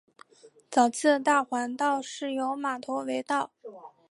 早期的大环道是由马头围道。